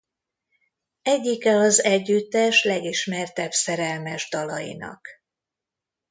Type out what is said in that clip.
Egyike az együttes legismertebb szerelmes dalainak.